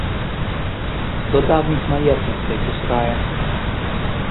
До давніх маєтностей пускає.